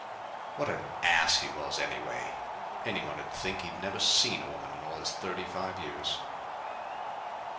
What an ass he was anyway! Anyone'd think he'd never seen a woman in all his thirty five years!